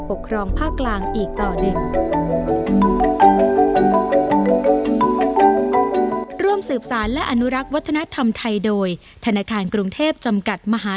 ปกครองพากลางอีกต่อดึก